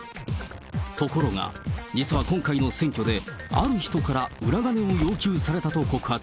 ところが、実は今回の選挙で、ある人から裏金を要求されたと告発。